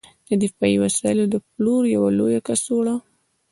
د دفاعي وسایلو د پلور یوه لویه کڅوړه